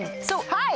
はい！